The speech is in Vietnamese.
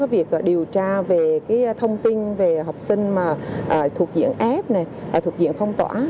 và kiểm tra về thông tin về học sinh thuộc diện ép thuộc diện phong tỏa